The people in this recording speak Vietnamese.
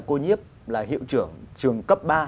cô nhiếp là hiệu trưởng trường cấp ba